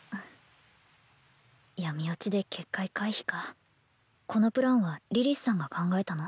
闇墜ちで結界回避かこのプランはリリスさんが考えたの？